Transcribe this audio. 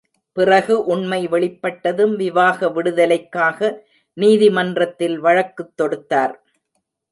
பிறகு உண்மை வெளிப்பட்டதும் விவாக விடுதலைக்காக நீதிமன்றத்தில் வழக்குத் தொடுத்தார்.